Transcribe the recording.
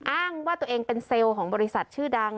อ้างว่าตัวเองเป็นเซลล์ของบริษัทชื่อดัง